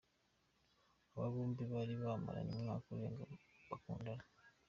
Aba bombi bari bamaranye umwaka urenga bakundana.